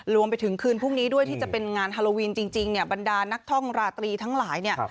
รวมไปถึงคืนพรุ่งนี้ด้วยที่จะเป็นงานฮาโลวีนจริงเนี่ยบรรดานักท่องราตรีทั้งหลายเนี่ย